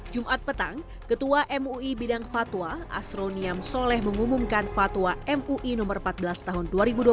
jumat petang ketua mui bidang fatwa asroniam soleh mengumumkan fatwa mui no empat belas tahun dua ribu dua puluh